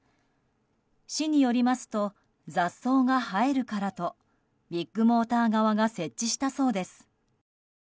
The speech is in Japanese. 市によりますと雑草が生えるからとビッグモーター側が設置したそうです。